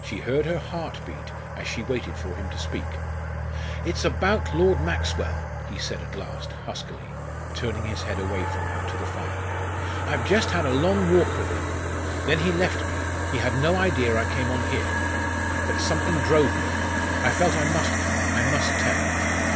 She heard her heart beat as she waited for him to speak. "It's about Lord Maxwell," he said at last, huskily, turning his head away from her to the fire. "I've just had a long walk with him. Then he left me; he had no idea I came on here. But something drove me; I felt I must come, I must tell.